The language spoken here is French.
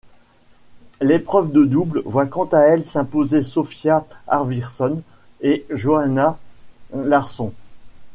L'épreuve de double voit quant à elle s'imposer Sofia Arvidsson et Johanna Larsson.